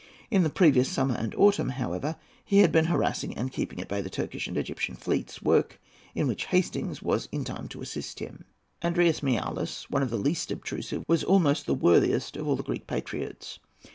In the previous summer and autumn, however, he had been harassing and keeping at bay the Turkish and Egyptian fleets—work in which Hastings was in time to assist him. Andreas Miaoulis, one of the least obtrusive, was almost the worthiest of all the Greek patriots.